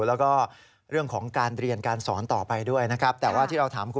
แล้วก็อยากให้เรื่องนี้จบไปเพราะว่ามันกระทบกระเทือนทั้งจิตใจของคุณครู